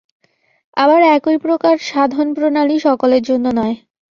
আবার একই প্রকার সাধনপ্রণালী সকলের জন্য নয়।